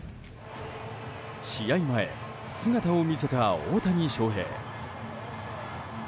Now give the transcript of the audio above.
試合前、姿を見せた大谷翔平。